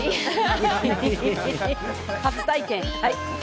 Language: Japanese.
初体験。